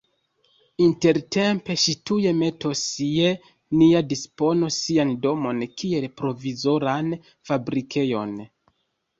Intertempe ŝi tuj metos je nia dispono sian domon kiel provizoran fabrikejon.